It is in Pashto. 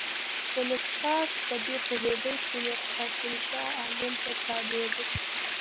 وینسیټارټ په دې پوهېدی چې میرقاسم شاه عالم ته تابع دی.